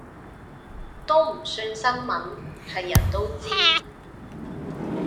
都唔算新聞，係人都知